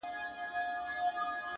اور او اوبه نه سره يو ځاى کېږي.